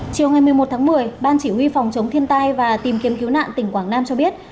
chiều ngày một mươi một tháng một mươi ban chỉ huy phòng chống thiên tai và tìm kiếm cứu nạn tỉnh quảng nam cho biết